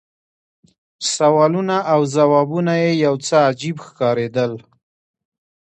سوالونه او ځوابونه یې یو څه عجیب ښکارېدل.